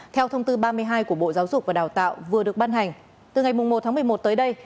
theo thông tư ba mươi hai của bộ giáo dục và đào tạo vừa được ban hành từ ngày một tháng một mươi một tới đây